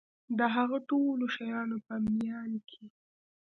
د هغه ټولو شیانو په میان کي